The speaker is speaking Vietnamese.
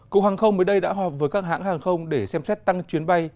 cục hàng không mới đây đã họp với các hãng hàng không để xem xét tăng chuyến bay